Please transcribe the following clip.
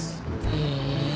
へえ。